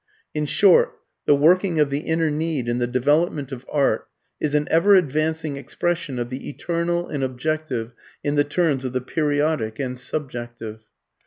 In short, the working of the inner need and the development of art is an ever advancing expression of the eternal and objective in the terms of the periodic and subjective.